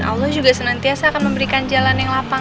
dan allah juga senantiasa akan memberikan jalan yang lapang